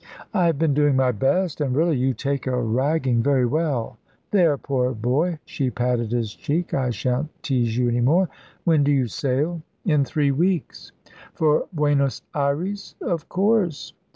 "I have been doing my best, and really, you take a ragging very well. There, poor boy" she patted his cheek "I shan't tease you any more. When do you sail?" "In three weeks." "For Buenos Ayres?" "Of course."